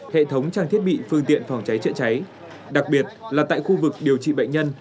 hệ thống trang thiết bị phương tiện phòng cháy chữa cháy đặc biệt là tại khu vực điều trị bệnh nhân